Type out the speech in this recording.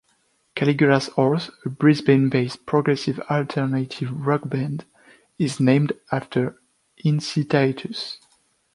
Caligula's Horse, a Brisbane-based Progressive Alternative Rock band, is named after Incitatus.